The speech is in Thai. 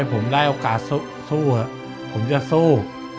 อย่าให้ผมได้โอกาสสู้ผมจะสู้